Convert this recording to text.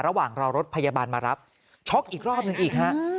ระหว่างรอรถพยาบาลมารับช็อกอีกรอบหนึ่งอีกฮะ